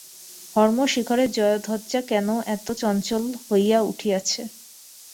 হর্ম্যশিখরে জয়ধ্বজা কেন এত চঞ্চল হইয়া উঠিয়াছে।